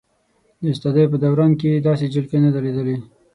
د استادۍ په دوران کې یې داسې جلکۍ نه ده لیدلې.